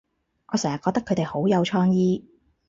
我成日覺得佢哋好有創意